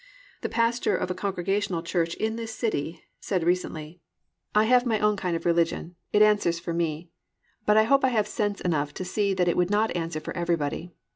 The pastor of a Congregational church in this city said recently: "I have my own kind of religion; it answers for me, but I hope I have sense enough to see that it would not answer for everybody.